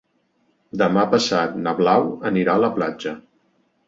Demà passat na Blau anirà a la platja.